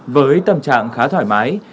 với tâm trạng khá thoải mái